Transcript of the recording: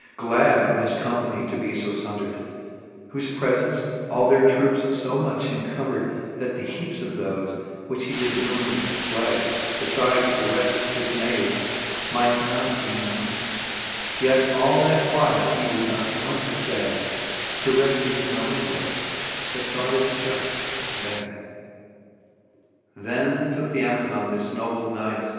Glad from his companie to be fo fbndred ; Whole pretence all their troups fo much encombred That th'heapes of thoie, which he did wound and flay, Beiides the reft difmayd, might not be nombred : Yet all that while he would not once alfay, To refkew his owne lord, but thought it juft t'obay. XX. Then tooke the Amazon this noble knight.